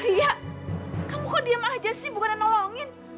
lia kamu kok diam aja sih bukan nolongin